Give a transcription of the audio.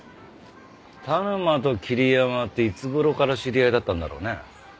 田沼と桐山っていつ頃から知り合いだったんだろうね？